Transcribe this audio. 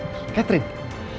aku cuma pengen tau siapa dia